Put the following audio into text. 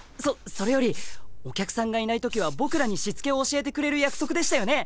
それよりお客さんがいない時は僕らにしつけを教えてくれる約束でしたよね！？